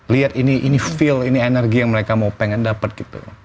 lihat ini feel ini energi yang mereka mau pengen dapat gitu